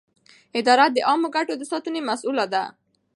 اداره د عامه ګټو د ساتنې مسووله ده.